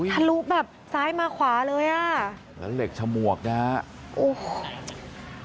ทะลุแบบซ้ายมาขวาเลยแล้วเหล็กฉมวกนะฮะ